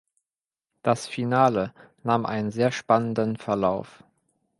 Das Finale nahm einen sehr spannenden Verlauf.